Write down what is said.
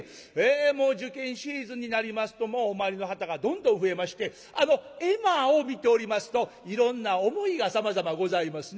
もう受験シーズンになりますとお参りの方がどんどん増えましてあの絵馬を見ておりますといろんな思いがさまざまございますね。